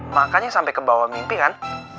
makanya sampe kebawa mimpi kan